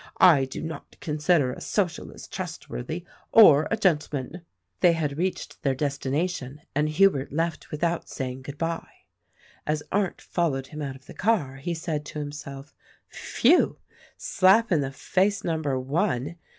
I do not consider a Socialist trustworthy or a gentleman." They had reached their destination, and Hubert left without saying good bye. As Arndt followed him out of the car he said to him self, "Phew ! Slap in the face number one.